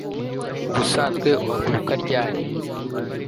ubusanzwe uhaguruka ryari